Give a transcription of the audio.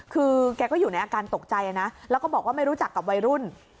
คือแกก็อยู่ในอาการตกใจนะแล้วก็บอกว่าไม่รู้จักกับวัยรุ่น